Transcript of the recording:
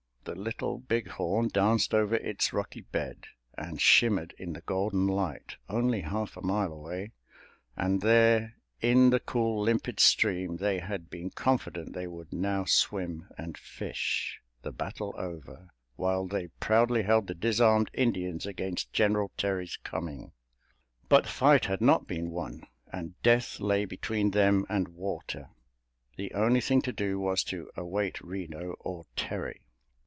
The Little Big Horn danced over its rocky bed and shimmered in the golden light, only half a mile away, and there in the cool, limpid stream they had been confident they would now swim and fish, the battle over, while they proudly held the disarmed Indians against General Terry's coming. But the fight had not been won, and death lay between them and water. The only thing to do was to await Reno or Terry.